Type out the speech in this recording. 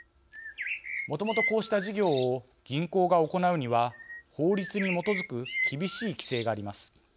もともとこうした事業を銀行が行うには法律に基づく厳しい規制があります。